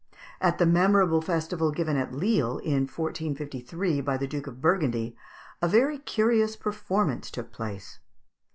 At the memorable festival given at Lille, in 1453, by the Duke of Burgundy, a very curious performance took place.